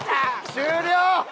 終了！